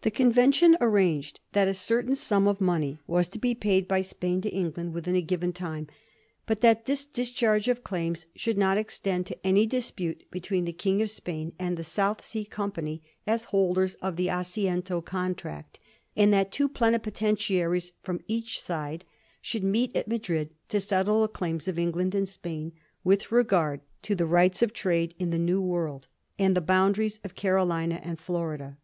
The convention arranged that a certain sum of money was to be paid by Spain to England within a given time, but that this discharge of claims should not extend to any dispute between the King of Spain and the South Sea Company as holders of the Asiento Contract; and that two plenipotentiaries from each side should meet at Madrid to settle the claims of England and Spain with regard to the rights of trade in the New World and the boundaries of Carolina and Flor ida.